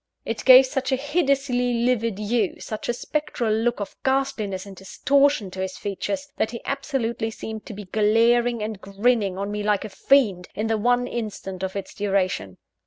It gave such a hideously livid hue, such a spectral look of ghastliness and distortion to his features, that he absolutely seemed to be glaring and grinning on me like a fiend, in the one instant of its duration.